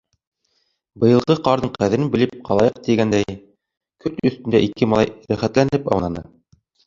Быйылғы ҡарҙың ҡәҙерен белеп ҡалайыҡ тигәндәй, көрт өҫтөндә ике малай рәхәтләнеп аунаны.